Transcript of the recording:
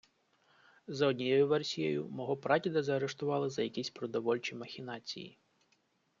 За однією версію, мого прадіда заарештували за якісь продовольчі махінації.